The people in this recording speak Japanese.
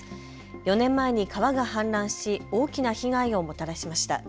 ４年前に川が氾濫し大きな被害をもたらしました。